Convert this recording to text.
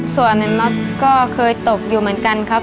ส่วนน็อตก็เคยตกอยู่เหมือนกันครับ